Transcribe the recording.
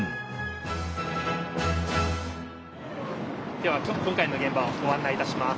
では今回の現場をご案内いたします。